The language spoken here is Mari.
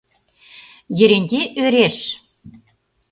— Еренте ӧреш.